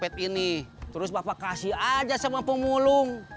terus bapak kasih aja sama pemulung